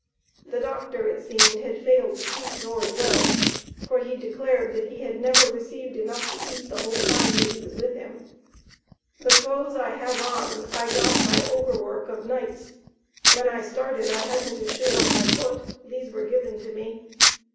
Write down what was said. The Doctor, it seemed, had failed to treat George well, for he declared that he had never received enough to eat the whole time that he was with him. "The clothes I have on I got by overwork of nights. When I started I hadn't a shoe on my foot, these were given to me.